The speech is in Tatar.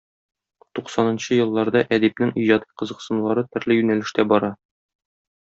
Туксанынчы елларда әдипнең иҗади кызыксынулары төрле юнәлештә бара.